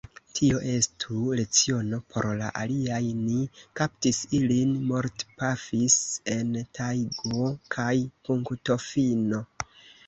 Tio estu leciono por la aliaj: ni kaptis ilin, mortpafis en tajgo, kaj punktofino!